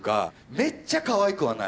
めっちゃかわいくはない。